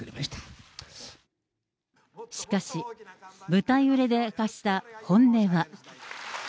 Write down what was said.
しかし、舞台裏で明かした本音は。